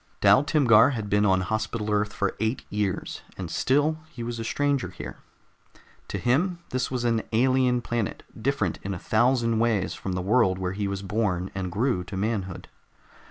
Dal Timgar had been on Hospital Earth for eight years, and still he was a stranger here. To him this was an alien planet, different in a thousand ways from the world where he was born and grew to manhood.